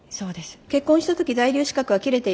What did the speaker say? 結婚した時在留資格は切れていました。